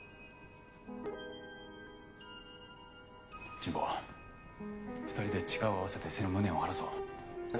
神保２人で力を合わせて先生の無念を晴らそう。